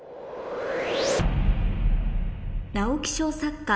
直木賞作家